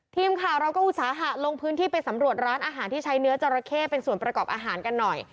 ทีมข่าวเราก็อุตสาหะลงพื้นที่ไปสำรวจร้านอาหารที่ใช้เนื้อจราเข้เป็นส่วนประกอบอาหารกันหน่อย